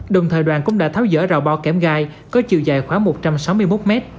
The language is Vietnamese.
đồng thời đoàn cũng đã tháo dỡ rào bao kém gai có chiều dài khoảng một trăm sáu mươi một m